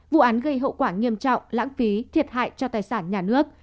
vụ án gây hậu quả nghiêm trọng lãng phí thiệt hại cho tài sản nhà nước